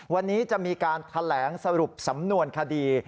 วันนี้จะมีการแถลงสรุปสำนวนคดี